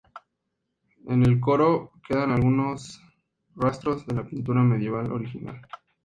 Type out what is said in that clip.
En el coro quedan aún algunos rastros de la pintura medieval original.